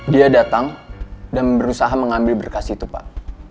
dia datang dan berusaha mengambil berkas itu pak